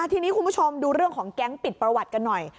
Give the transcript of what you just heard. ทีนี้คุณผู้ชมดูเรื่องของแก๊งปิดประวัติกันหน่อย